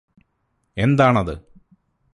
എന്താണത്